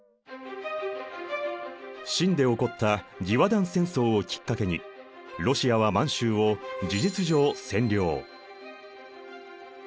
清で起こった義和団戦争をきっかけにロシアは満洲を事実上占領。